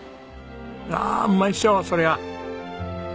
ああうまいっしょそりゃ！